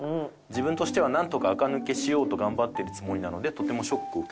自分としてはなんとかあか抜けしようと頑張っているつもりなのでとてもショック受けた。